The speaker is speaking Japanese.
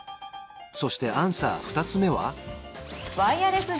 そしてアンサー２つ目は？